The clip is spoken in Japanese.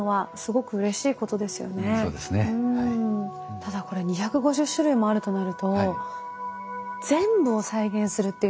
ただこれ２５０種類もあるとなると全部を再現するっていうのって。